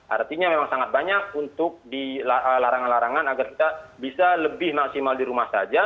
artinya memang sangat banyak untuk dilarangan larangan agar kita bisa lebih maksimal di rumah saja